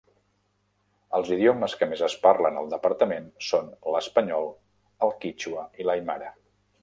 Els idiomes que més es parlen al departament són l'espanyol, el quítxua i l'aimara.